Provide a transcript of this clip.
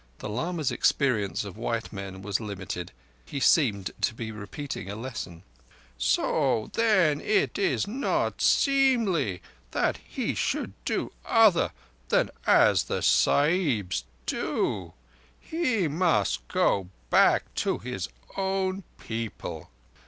The lama's experience of white men was limited. He seemed to be repeating a lesson. "So then it is not seemly that he should do other than as the Sahibs do. He must go back to his own people."